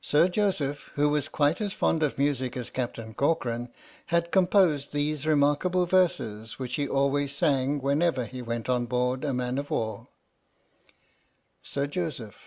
Sir Joseph, who was quite as fond of music as Captain Corcoran, had composed these remarkable verses which he always sang whenever he went on board a man of war. 39 H.M.S. "PINAFORE" Sir Joseph.